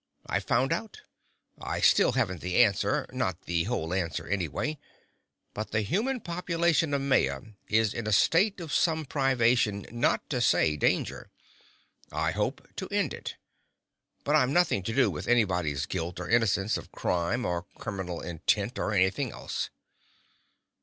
I've found out. I still haven't the answer,—not the whole answer anyway. But the human population of Maya is in a state of some privation, not to say danger. I hope to end it. But I've nothing to do with anybody's guilt or innocence of crime or criminal intent or anything else."